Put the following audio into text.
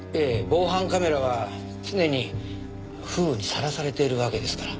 防犯カメラは常に風雨にさらされているわけですから。